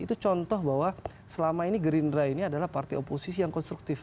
itu contoh bahwa selama ini gerindra ini adalah partai oposisi yang konstruktif